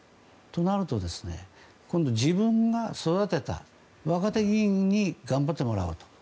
となると、今度自分が育てた若手議員に頑張ってもらおうと。